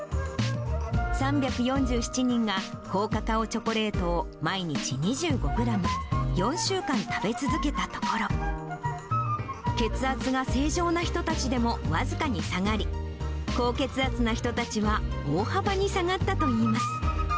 ３４７人が高カカオチョコレートを毎日２５グラム、４週間食べ続けたところ、血圧が正常な人たちでも僅かに下がり、高血圧な人たちは、大幅に下がったといいます。